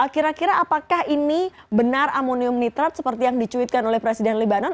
kira kira apakah ini benar amonium nitrat seperti yang dicuitkan oleh presiden libanon